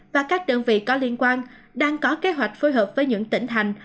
và các đơn vị có liên quan đang có kế hoạch phối hợp với những tỉnh thành